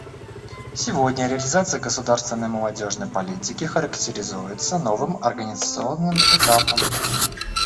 Сегодня реализация государственной молодежной политики характеризуется новым организационным этапом.